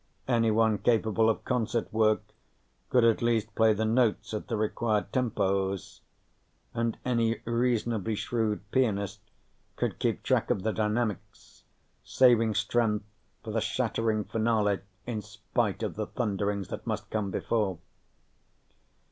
Anyone capable of concert work could at least play the notes at the required tempos. And any reasonably shrewd pianist could keep track of the dynamics, saving strength for the shattering finale in spite of the thunderings that must come before.